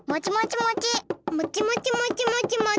もちもちもちもちもち？